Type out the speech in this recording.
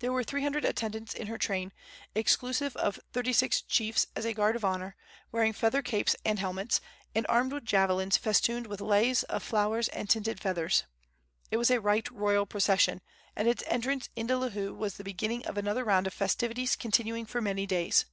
There were three hundred attendants in her train, exclusive of thirty six chiefs as a guard of honor, wearing feather capes and helmets, and armed with javelins festooned with leis of flowers and tinted feathers. It was a right royal procession, and its entrance into Lihue was the beginning of another round of festivities continuing for many days.